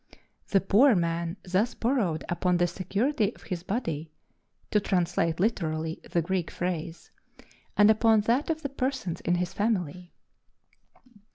The poor man thus borrowed upon the security of his body (to translate literally the Greek phrase) and upon that of the persons in his family.